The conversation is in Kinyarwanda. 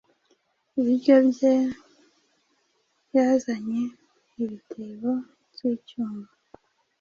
Ibiryo bye yazanye ibitebo byicyuma,